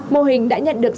mô hình đã nhận được